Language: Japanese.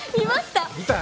見たよ。